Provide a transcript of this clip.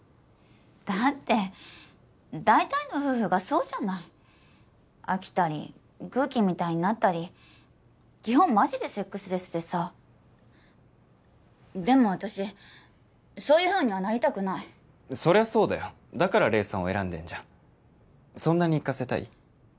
だって大体の夫婦がそうじゃない飽きたり空気みたいになったり基本マジでセックスレスでさでも私そういうふうにはなりたくないそりゃそうだよだから黎さんを選んでんじゃんそんなに行かせたい？